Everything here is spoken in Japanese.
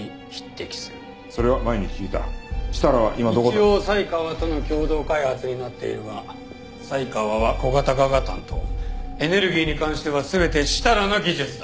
一応才川との共同開発になっているが才川は小型化が担当エネルギーに関しては全て設楽の技術だ。